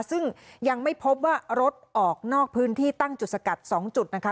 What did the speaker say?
ซึ่งยังไม่พบว่ารถออกนอกพื้นที่ตั้งจุดสกัด๒จุดนะคะ